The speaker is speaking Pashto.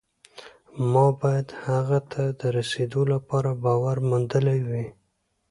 ما باید هغه ته د رسېدو لپاره باور موندلی وي